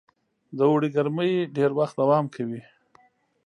د اوړي ګرمۍ ډېر وخت دوام کوي.